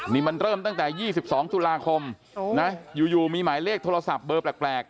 นี่มันเริ่มตั้งแต่๒๒ตุลาคมอยู่มีหมายเลขโทรศัพท์เบอร์แปลก